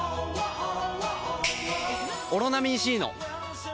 「オロナミン Ｃ」の！